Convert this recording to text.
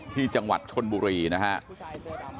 ที่จังหวัดชนบุรีนะครับ